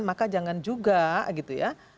maka jangan juga gitu ya